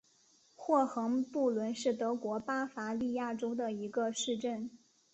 霍亨布伦是德国巴伐利亚州的一个市镇。